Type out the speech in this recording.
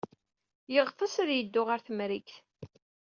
Yeɣtes ad yeddu ɣer Temrikt.